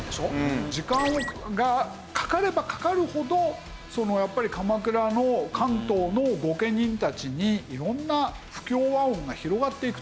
時間がかかればかかるほどやっぱり鎌倉の関東の御家人たちに色んな不協和音が広がっていくと。